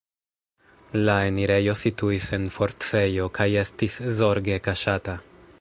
La enirejo situis en forcejo kaj estis zorge kaŝata.